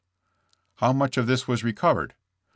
''How much of this was recovered?"